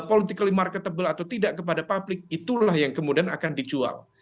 politically marketable atau tidak kepada publik itulah yang kemudian akan dijual